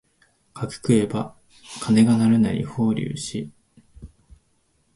柿食えば鐘が鳴るなり法隆寺